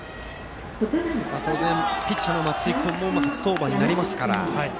ピッチャーの松井君も当然、初登板になりますからね。